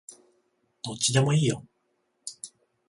どっちでもいいよ